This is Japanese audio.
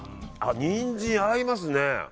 ニンジン合いますね。